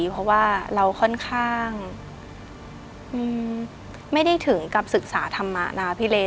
เพราะว่าเราค่อนข้างไม่ได้ถึงกับศึกษาธรรมะนะพี่เล